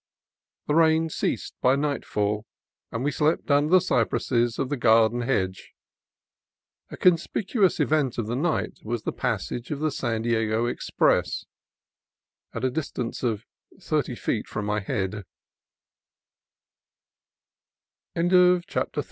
The rain ceased by nightfall, and we slept under the cypresses of the garden hedge. A conspicuous event of the night was the passage of the San Diego Express at a distance of thirty feet from my